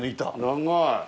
長い。